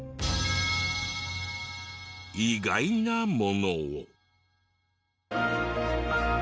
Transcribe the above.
意外なものを。